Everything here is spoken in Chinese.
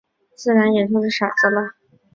自然也就是傻子了。